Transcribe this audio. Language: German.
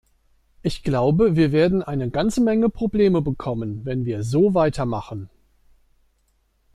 Ich glaube, wir werden eine ganze Menge Probleme bekommen, wenn wir so weitermachen.